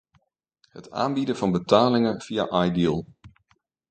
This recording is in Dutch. Het aanbieden van betalingen via iDeal.